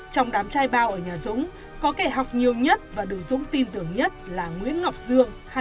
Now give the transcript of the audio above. trong đám trai bao ở nhà dũng có kẻ học nhiều nhất và được dũng tin tưởng nhất là nguyễn ngọc dương